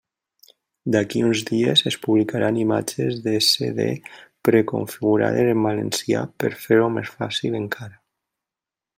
D'aquí a uns dies, es publicaran imatges de CD preconfigurades en valencià per fer-ho més fàcil encara.